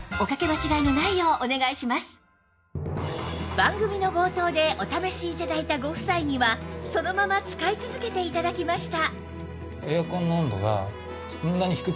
番組の冒頭でお試し頂いたご夫妻にはそのまま使い続けて頂きました